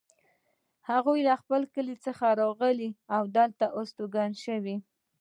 هغوی له خپل کلي څخه راغلي او دلته استوګن شوي